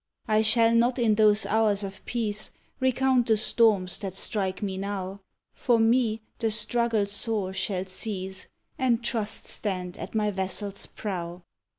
I shall not in those hours of peace Recount the storms that strike me now; For me the struggle sore shall cease, And Trust stand at my vessel's prow!